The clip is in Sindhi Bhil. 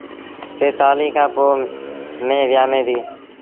ٽي سآليٚݩ کآݩ پو ميݩهن ويآمي ديٚ۔